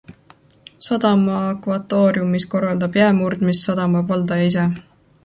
Sadama akvatooriumis korraldab jää murdmist sadama valdaja ise.